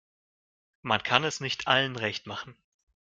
Man kann es nicht allen recht machen.